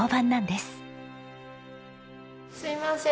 すいません。